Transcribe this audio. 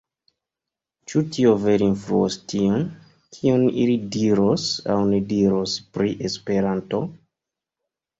Ĉu tio vere influos tion, kion ili diros aŭ ne diros pri Esperanto?